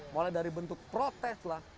mulai dari bentuk protes lah